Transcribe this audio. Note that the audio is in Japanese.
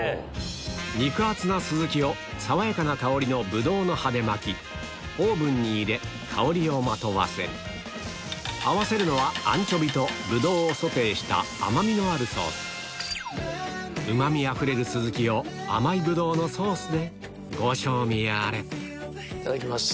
肉厚なスズキを爽やかな香りのブドウの葉で巻きオーブンに入れ香りをまとわせる合わせるのはアンチョビとブドウをソテーした甘みのあるソースうまみあふれるスズキを甘いブドウのソースでご賞味あれいただきます。